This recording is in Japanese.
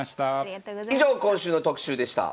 以上今週の特集でした。